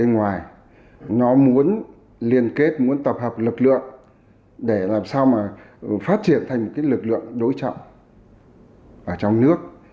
nó muốn liên kết tập hợp lực lượng để làm sao mà phát triển thành lực lượng đối trọng trong nước